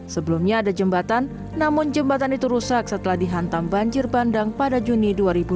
sebelumnya ada jembatan namun jembatan itu rusak setelah dihantam banjir bandang pada juni dua ribu dua puluh